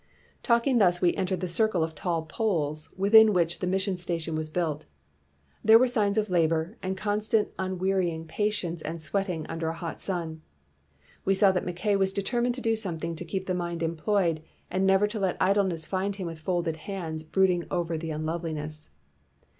'' "Talking thus, we entered the circle of tall poles, within which the mission station was built. There were signs of labor, and constant unwearying patience and sweating under a hot sun. We saw that Mackay was determined to do something to keep the mind employed, and never to let idleness find him with folded hands brooding over the unloveliness.